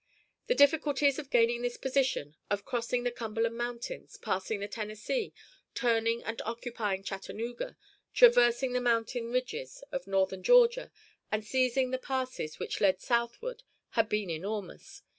The difficulties of gaining this position, of crossing the Cumberland Mountains, passing the Tennessee, turning and occupying Chattanooga, traversing the mountain ridges of northern Georgia, and seizing the passes which led southward had been enormous.